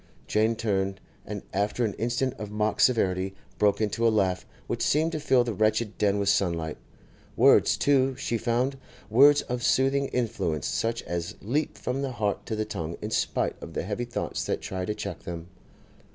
Jane turned, and after an instant of mock severity, broke into a laugh which seemed to fill the wretched den with sunlight. Words, too, she found; words of soothing influence such as leap from the heart to the tongue in spite of the heavy thoughts that try to check them.